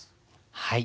はい。